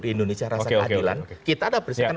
di indonesia rasa keadilan kita tidak berdasarkan